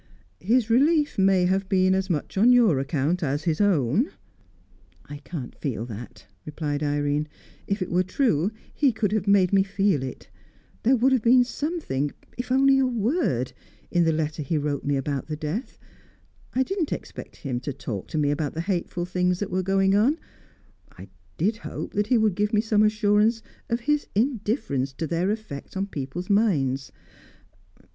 "His relief may have been as much on your account as his own." "I can't feel that," replied Irene. "If it were true, he could have made me feel it. There would have been something if only a word in the letter he wrote me about the death. I didn't expect him to talk to me about the hateful things that were going on; I did hope that he would give me some assurance of his indifference to their effect on people's minds.